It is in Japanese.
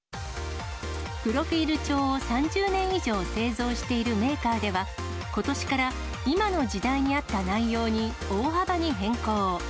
プロフィール帳を３０年以上製造しているメーカーでは、ことしから今の時代に合った内容に大幅に変更。